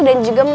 dan juga maap